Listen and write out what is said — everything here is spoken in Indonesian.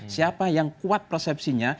siapa yang kuat persepsinya